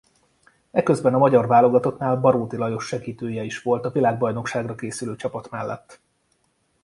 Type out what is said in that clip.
Eközben a magyar válogatottnál Baróti Lajos segítője is volt a világbajnokságra készülő csapat mellett.